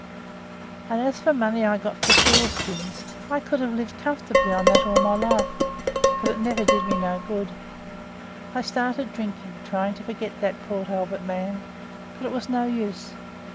"As for the money I got for the seal skins, I could have lived comfortably on it all my life, but it never did me no good. I started drinking, trying to forget that Port Albert man, but it was no use.